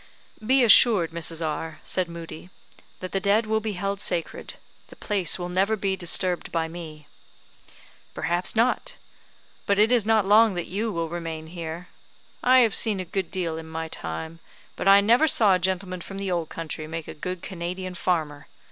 "Be assured, Mrs. R ," said Moodie, "that the dead will be held sacred; the place will never be disturbed by me." "Perhaps not; but it is not long that you will remain here. I have seen a good deal in my time; but I never saw a gentleman from the old country make a good Canadian farmer.